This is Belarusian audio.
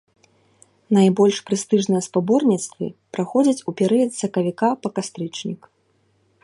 Найбольш прэстыжныя спаборніцтвы праходзяць у перыяд з сакавіка па кастрычнік.